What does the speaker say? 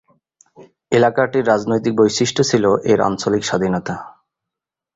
এলাকাটির রাজনৈতিক বৈশিষ্ট্য ছিলো এর আঞ্চলিক স্বাধীনতা।